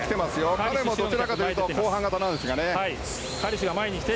彼も、どちらかというと後半型なんですがね。